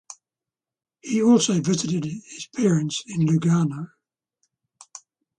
He also visited his parents in Lugano.